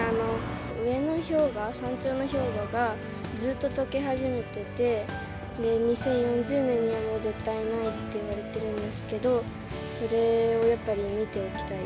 上の氷河、山頂の氷河がずっととけ始めてて、２０４０年には、もう、絶対ないといわれてるんですけど、それをやっぱり見ておきたい。